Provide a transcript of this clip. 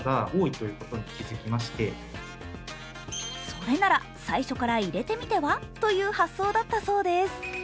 それなら最初から入れてみては？という発想だったそうです。